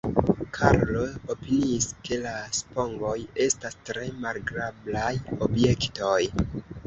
Karlo opiniis, ke la spongoj estas tre malagrablaj objektoj.